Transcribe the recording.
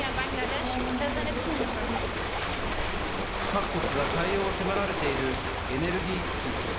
各国が対応を迫られているエネルギー危機。